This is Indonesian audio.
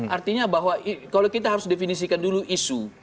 artinya bahwa kalau kita harus definisikan dulu isu